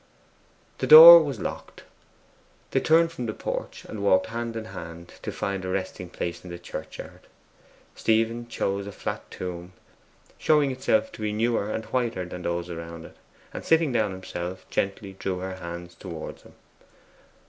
The door was locked. They turned from the porch, and walked hand in hand to find a resting place in the churchyard. Stephen chose a flat tomb, showing itself to be newer and whiter than those around it, and sitting down himself, gently drew her hand towards him.